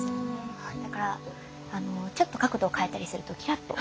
だからちょっと角度を変えたりするとキラッと。